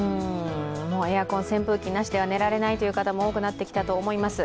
エアコン、扇風機なしでは寝られないという方も多くなってきたと思います。